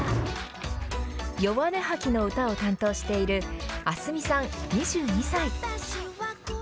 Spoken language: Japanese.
ヨワネハキの歌を担当しているａｓｍｉさん２２歳。